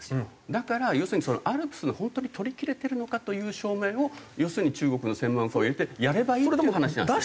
だから要するにＡＬＰＳが本当に取りきれてるのかという証明を要するに中国の専門家を入れてやればいいっていう話なんですよ。